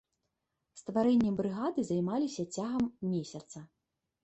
Стварэннем брыгады займаліся цягам месяца.